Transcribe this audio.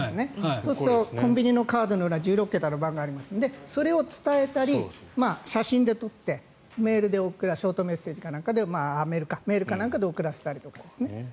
そうするとコンビニのカードの裏１６桁の番号がありますのでそれを伝えたり写真で撮ってメールなんかで送らせたりとかですね。